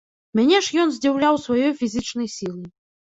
Мяне ж ён здзіўляў сваёй фізічнай сілай.